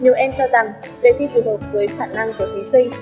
nhiều em cho rằng đề thi phù hợp với khả năng của thí sinh